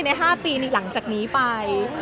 ๕ปีหลังจากนี้ไป